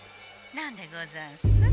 なんでござんす？